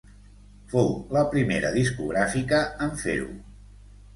Fou la primera discogràfica en fer-ho.